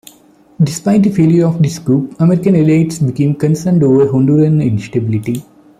Despite the failure of this coup, American elites became concerned over Honduran instability.